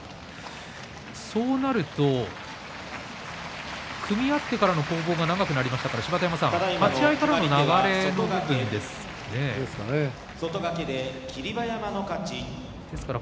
そうなると組み合ってからの攻防が長くなりましたが立ち合いからのそうですかね。